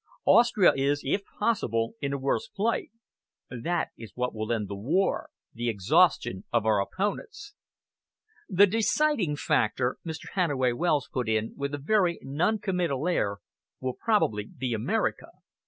Austria is, if possible, in a worse plight. That is what will end the war the exhaustion of our opponents." "The deciding factor," Mr. Hannaway Wells put in, with a very non committal air, "will probably be America.